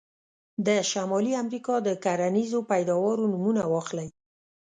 د شمالي امریکا د کرنیزو پیداوارو نومونه واخلئ.